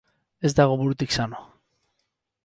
Ez dago burutik sano.